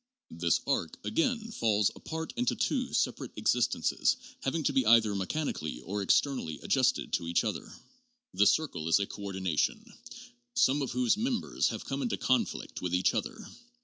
This arc, again, falls apart into two separate existences having to be either mechanically or externally adjusted to each other. The circle is a coordination, some of whose members have come into conflict with each other.